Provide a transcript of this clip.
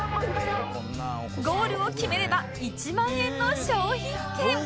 ゴールを決めれば１万円の商品券